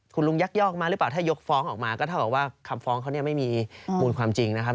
คุณลุงยักยอกมาหรือเปล่าถ้ายกฟ้องออกมาก็เท่ากับว่าคำฟ้องเขาเนี่ยไม่มีมูลความจริงนะครับ